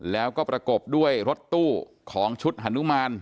แล้วก็ประกบด้วยรถตู้ของชุดฮานุมาน